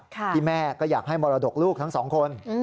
ที่แม่ก็อยากให้มรดกลูกทั้งสองคน